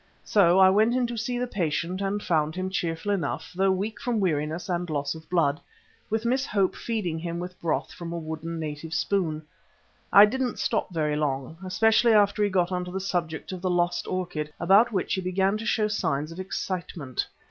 So I went in to see the patient and found him cheerful enough, though weak from weariness and loss of blood, with Miss Hope feeding him with broth from a wooden native spoon. I didn't stop very long, especially after he got on to the subject of the lost orchid, about which he began to show signs of excitement.